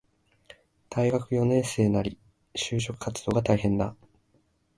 大学四年生なり、就職活動が大変だ